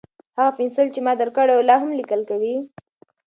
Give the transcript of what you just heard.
هغه پنسل چې ما درکړی و، لا هم لیکل کوي؟